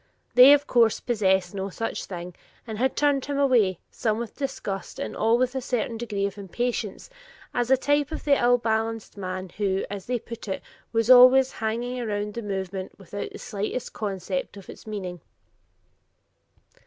They, of course, possessed no such thing, and had turned him away, some with disgust and all with a certain degree of impatience, as a type of the ill balanced man who, as they put it, was always "hanging around the movement, without the slightest conception of its meaning."